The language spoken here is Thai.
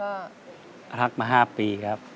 ลักพระอาารมณ์มาให้เรียก